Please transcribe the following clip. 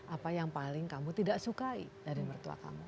apa yang paling kamu tidak sukai dari mertua kamu